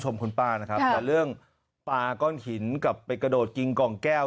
แต่เรื่องปาก้อนหินกับไปกระโดดกิ่งกองแก้ว